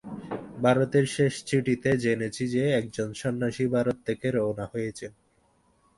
ভারতের শেষ চিঠিতে জেনেছি যে, একজন সন্ন্যাসী ভারত থেকে রওনা হয়েছেন।